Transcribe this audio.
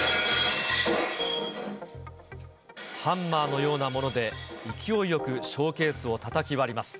ハンマーのようなもので、勢いよくショーケースをたたき割ります。